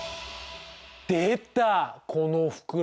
出たこの袋。